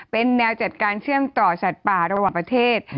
เป็นแนวจัดการเชื่อมต่อสัตว์ป่าระหว่างประเทศ